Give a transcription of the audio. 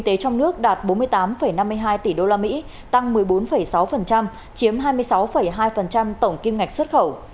tế trong nước đạt bốn mươi tám năm mươi hai tỷ usd tăng một mươi bốn sáu chiếm hai mươi sáu hai tổng kim ngạch xuất khẩu